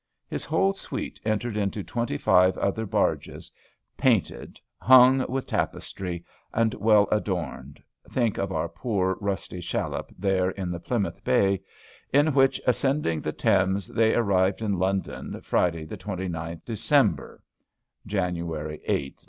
His whole suite entered into twenty five other barges, painted, hung with tapestry, and well adorned" (think of our poor, rusty shallop there in Plymouth bay), "in which, ascending the Thames, they arrived in London Friday the 29th December" (January 8th, N.